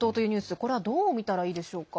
これはどう見たらいいでしょうか。